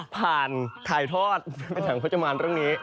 ผ่านถ่ายทอดเป็นหนังพจมานตรงนี้